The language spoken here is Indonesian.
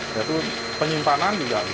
yaitu penyimpanan juga bisa